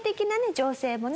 情勢もね。